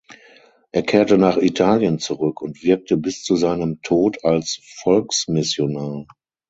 Er kehrte nach Italien zurück und wirkte bis zu seinem Tod als Volksmissionar.